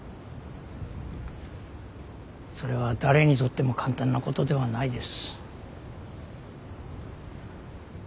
それは誰にとっても簡単なことではないです。